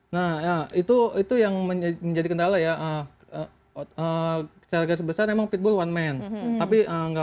nah itu itu yang menjadi kendala ya seharga sebesar memang pitbull one man tapi enggak